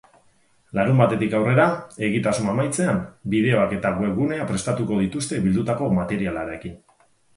Larunbatetik aurrera, egitasmoa amaitzean, bideoak eta webgunea prestatuko dituzte bildutako materialarekin.